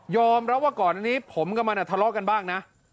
ยอมแล้วก่อนอันนี้ผมกับมันอาทารกกันบ้างนะ